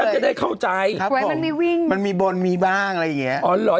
ถ้าจะได้เข้าใจเนียวนะครับผมไม่มีวิงมันมีบนมีบ้างอะไรอย่างเงี้ย